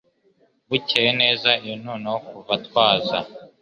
bukeye neza uyu noneho kuva twaza